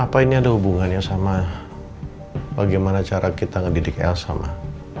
apa ini ada hubungannya sama bagaimana cara kita mendidik elsa mak